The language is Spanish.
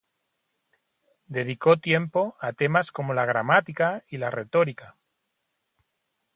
Dedicó tiempo a temas como la gramática y la retórica.